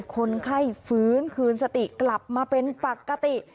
คนไข้ฟื้นคืนสติกลับมาเป็นปกติ